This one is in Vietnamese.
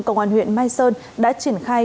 công an huyện mai sơn đã triển khai